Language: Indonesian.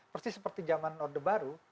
persis seperti zaman orde baru